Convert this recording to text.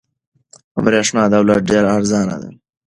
برېښنا دلته ډېره ارزانه ده.